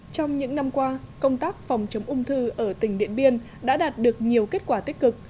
trong những năm qua công tác phòng chống ung thư ở tỉnh điện biên đã đạt được nhiều kết quả tích cực